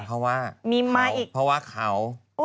เพราะว่าเขา